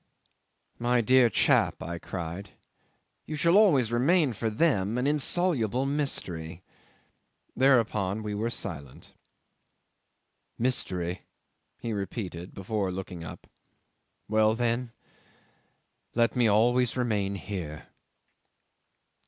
'"My dear chap," I cried, "you shall always remain for them an insoluble mystery." Thereupon we were silent. '"Mystery," he repeated, before looking up. "Well, then let me always remain here."